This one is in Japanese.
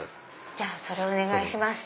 じゃあそれお願いします。